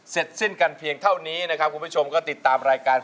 เพลงที่เจ็ดเพลงที่แปดแล้วมันจะบีบหัวใจมากกว่านี้